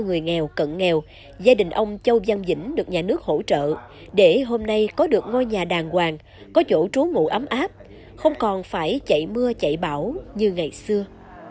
gia đình ông châu văn vĩnh được nhà nước hỗ trợ để hôm nay có được ngôi nhà đàng hoàng có chỗ trú ngủ ấm áp không còn phải chạy mưa chạy bão như ngày xưa